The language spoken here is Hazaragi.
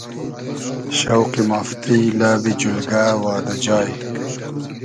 شۆقی مافتی، لئبی جولگۂ وادۂ جای